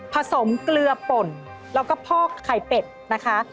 สมเกลือป่นแล้วก็พอกไข่เป็ดนะคะ